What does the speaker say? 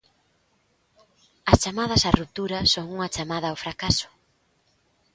As chamadas á ruptura son unha chamada ao fracaso.